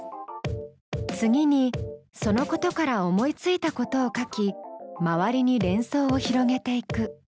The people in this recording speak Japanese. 次にそのことから思いついたことを書き周りに連想を広げていく。